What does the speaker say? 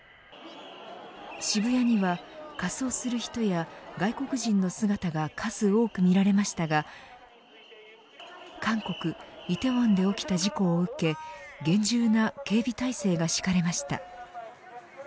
渋谷には仮装する人や外国人の姿が数多く見られましたが韓国、梨泰院で起きた事故を受け厳重な警備態勢が敷かれました。